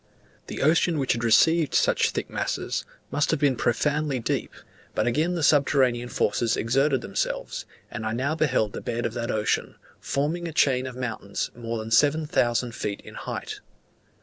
The ocean which received such thick masses, must have been profoundly deep; but again the subterranean forces exerted themselves, and I now beheld the bed of that ocean, forming a chain of mountains more than seven thousand feet in height.